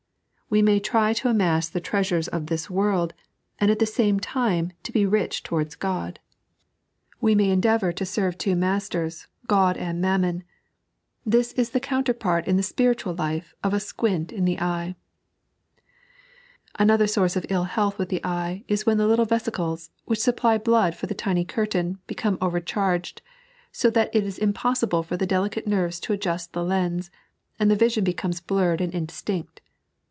We may tiy to amass the treasures of this world, and at the same time to be rich towards God. We may endeavour 3.n.iized by Google 148 The Intention op the Soul. to serve two maBters — Ood and Mamnioii. This is the Goimterpart in the spiritual life of a squint in the eye. Another source of iU health with the eye is when the little veeiclea, which supply blood for the tiny curtain, be come overcharged, so that it is impossible for the delicate nerves to adjust the lens, and the vision becomes blurred and indistinct.